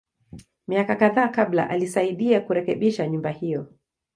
Miaka kadhaa kabla, alisaidia kurekebisha nyumba hiyo.